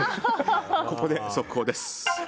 ここで、速報です。